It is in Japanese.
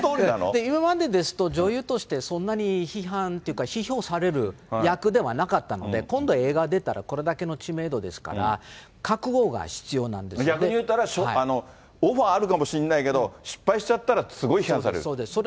今までですと、女優としてそんなに批判っていうか批評される役ではなかったので、今度は映画出たら、これだけの知名度ですから、逆に言ったら、オファーあるかもしんないけど、失敗しちゃったらすごい批判されそうです。